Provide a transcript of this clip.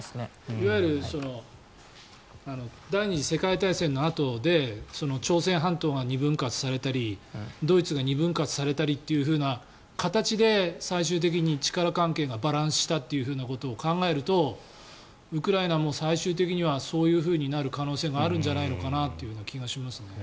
いわゆる第２次世界大戦のあとで朝鮮半島が２分割されたりドイツが２分割されたりという形で最終的に力関係がバランスしたということを考えるとウクライナも最終的にはそういうふうになる可能性があるんじゃないかなという気がしますね。